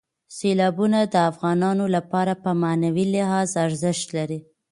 سیلابونه د افغانانو لپاره په معنوي لحاظ ارزښت لري.